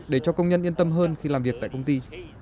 để cho công nhân yên tâm hơn khi làm việc tại công ty